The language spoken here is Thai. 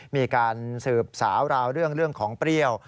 มีการสืบสาวราวเรื่องของเปรี้ยว